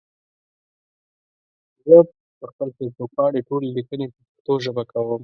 زه پخپل فيسبوک پاڼې ټولي ليکني په پښتو ژبه کوم